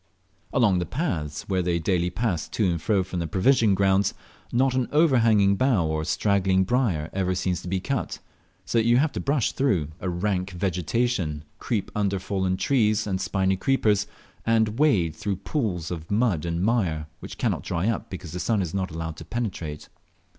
Along the paths where they daily pass to and from their provision grounds, not an overhanging bough or straggling briar ever seems to be cut, so that you have to brush through a rank vegetation, creep under fallen trees and spiny creepers, and wade through pools of mud and mire, which cannot dry up because the sun is not allowed to penetrate.